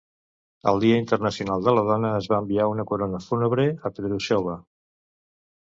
El Dia Internacional de la Dona, es va enviar una corona fúnebre a Petrushova.